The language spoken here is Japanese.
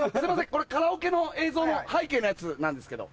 これカラオケの映像の背景のやつなんですけど。